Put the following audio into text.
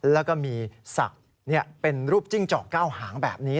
แล้วก็มีสักเป็นรูปจิ้งจอกก้าวหางแบบนี้